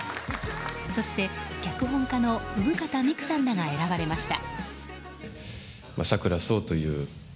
そして脚本家の生方美久さんらが選ばれました。